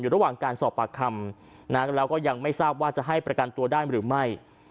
ระหว่างการสอบปากคำนะแล้วก็ยังไม่ทราบว่าจะให้ประกันตัวได้หรือไม่